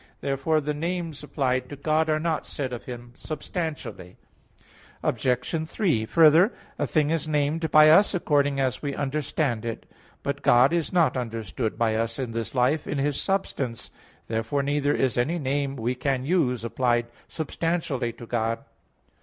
Therefore the names applied to God are not said of Him substantially. Obj. 3: Further, a thing is named by us according as we understand it. But God is not understood by us in this life in His substance. Therefore neither is any name we can use applied substantially to God.